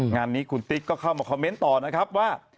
งานนี้คุณติ๊กก็เข้ามาคอมเมนต์ต่อนะครับว่า